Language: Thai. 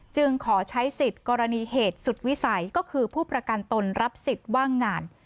ขอใช้สิทธิ์กรณีเหตุสุดวิสัยก็คือผู้ประกันตนรับสิทธิ์ว่างงาน